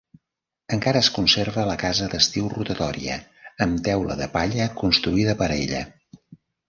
Encara es conserva la casa d'estiu rotatòria amb teula de palla construïda per a ella.